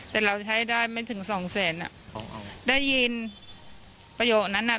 แต่เราใช้ได้ไม่ถึงสองแสนอ่ะได้ยินประโยคนั้นน่ะ